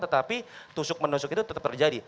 tetapi tusuk menusuk itu tetap terjadi